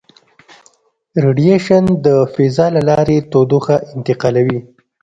ریډیشن د فضا له لارې تودوخه انتقالوي.